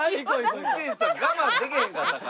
運転士さん我慢できへんかったんか？